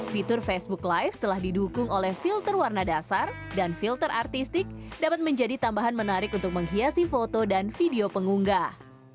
fitur facebook live telah didukung oleh filter warna dasar dan filter artistik dapat menjadi tambahan menarik untuk menghiasi foto dan video pengunggah